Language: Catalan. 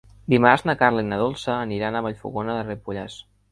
Dimarts na Carla i na Dolça aniran a Vallfogona de Ripollès.